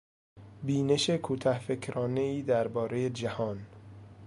بینش کوته فکرانهای دربارهی جهان